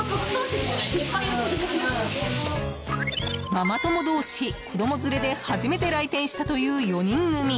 ママ友同士、子供連れで初めて来店したという４人組。